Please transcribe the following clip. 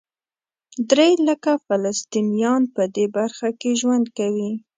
درې لکه فلسطینیان په دې برخه کې ژوند کوي.